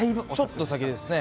ちょっと先ですね。